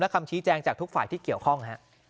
คำชี้แจงจากทุกฝ่ายที่เกี่ยวข้อง